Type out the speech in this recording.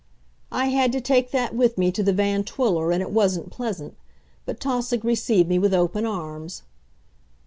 I had to take that with me to the Van Twiller, and it wasn't pleasant. But Tausig received me with open arms.